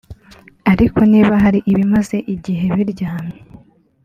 Ariko niba hari ibimaze igihe biryamye